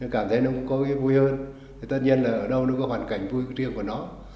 cảm thấy nó cũng có cái vui hơn tất nhiên là ở đâu nó có hoàn cảnh vui riêng của nó